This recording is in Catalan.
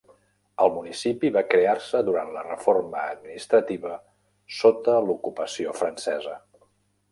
El municipi va crear-se durant la reforma administrativa sota l'ocupació francesa.